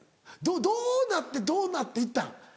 どうなってどうなって行ったん？